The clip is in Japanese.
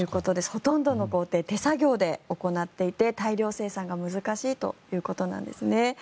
ほとんどの工程を手作業で行っていて大量生産が難しいということです。